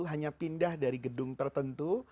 hanya pindah dari gedung tertentu